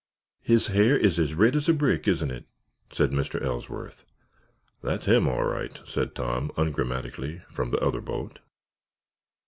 "His hair is as red as a brick, isn't it?" said Mr. Ellsworth. "That's him, all right," said Tom, ungrammatically, from the other boat.